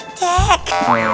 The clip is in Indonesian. positif justru saya bingung banget